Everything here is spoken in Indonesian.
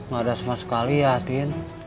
gak ada sama sekali ya hatinya